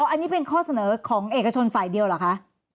อันนี้เป็นข้อเสนอของเอกชนฝ่ายเดียวเหรอคะ